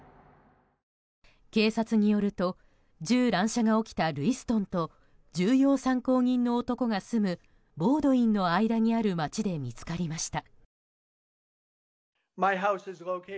警察によると銃乱射が起きたルイストンと重要参考人の男が住むボウドインの間にある街で見つかりました。